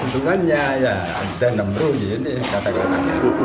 untungannya ada enam bro kata kata